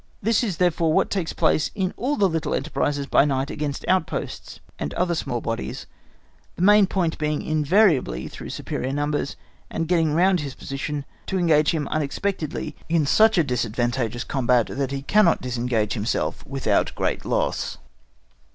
This is therefore what takes place in all the little enterprises by night against outposts, and other small bodies, the main point being invariably through superior numbers, and getting round his position, to entangle him unexpectedly in such a disadvantageous combat, that he cannot disengage himself without great loss.